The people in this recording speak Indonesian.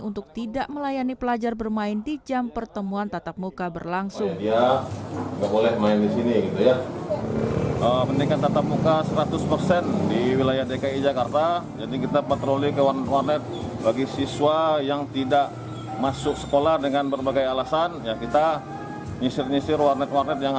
untuk tidak melayani pelajar bermain di jam pertemuan tatap muka berlangsung